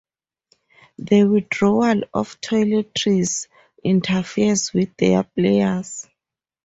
The withdrawal of toiletries interferes with their prayers.